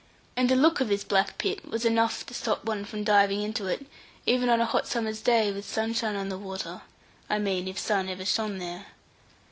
And the look of this black pit was enough to stop one from diving into it, even on a hot summer's day with sunshine on the water; I mean, if the sun ever shone there.